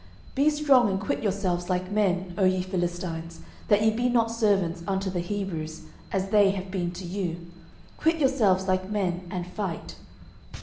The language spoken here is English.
09:004:009 Be strong and quit yourselves like men, O ye Philistines, that ye be not servants unto the Hebrews, as they have been to you: quit yourselves like men, and fight.